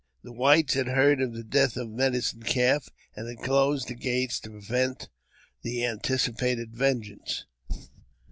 The whites had heard of tht death of the Medicine Calf, and had closed the gates to pre vent the anticipated vengeance.